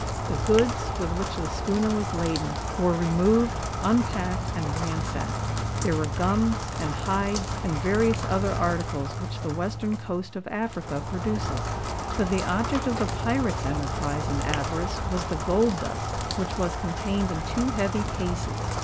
The goods, with which the schooner was laden, were removed, unpacked, and ransacked. There were gums, and hides, and various other articles which the western coast of Africa produces; but the object of the pirates' enterprise and avarice was the gold dust, which was contained in two heavy cases.